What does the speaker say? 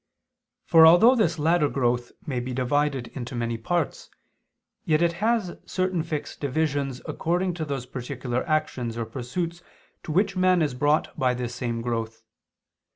For although this latter growth may be divided into many parts, yet it has certain fixed divisions according to those particular actions or pursuits to which man is brought by this same growth.